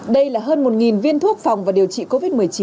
đây là hơn một viên thuốc phòng và điều trị covid một mươi chín